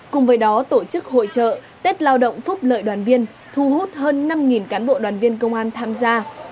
cùng với đó tổ chức hội trợ tết lao động phúc lợi đoàn viên thu hút hơn năm cán bộ đoàn viên công an tham gia